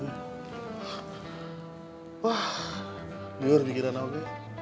wah diur dikira nauk